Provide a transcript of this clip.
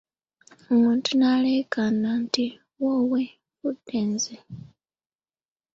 Omuntu n'aleekaana nti, “woowe nfudde nze".